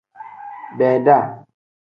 Beeda.